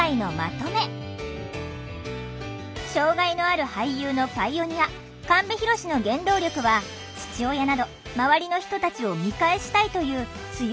障害のある俳優のパイオニア神戸浩の原動力は父親など周りの人たちを見返したいという強い願望だった！